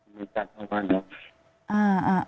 ไม่ได้อยู่บ้านแล้ว